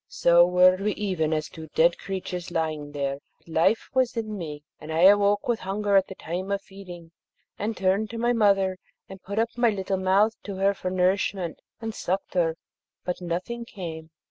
So were we even as two dead creatures lying there; but life was in me, and I awoke with hunger at the time of feeding, and turned to my mother, and put up my little mouth to her for nourishment, and sucked her, but nothing came.